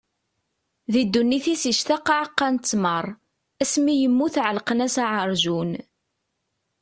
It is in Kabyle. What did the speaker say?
Di ddunit-is ictaq aɛeqqa n ttmer; asmi i yemmut ɛellqen-as aɛerjun.